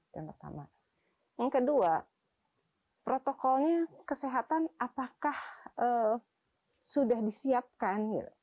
yang kedua protokolnya kesehatan apakah sudah disiapkan